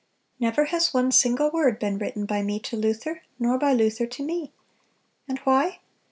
Never has one single word been written by me to Luther, nor by Luther to me. And why?...